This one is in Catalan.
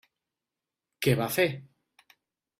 Què va fer?